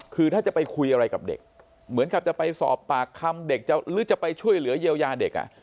คือถ้าจะไปคุยอะไรกับเด็กเหมือนกับจะไปสอบปากคำเด็กหรือจะไปช่วยเหลือเยียวยาเด็ก